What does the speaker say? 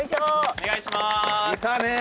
お願いします！